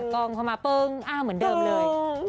กล้องเข้ามาปึ้งอ้าวเหมือนเดิมเลย